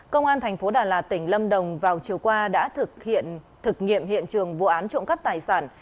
công an thành phố đà lạt tỉnh lâm đồng vào chiều qua đã thực hiện thực nghiệm hiện trường vụ án trộm cắp tài sản